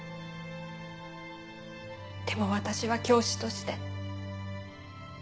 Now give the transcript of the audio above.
でも私は教師として。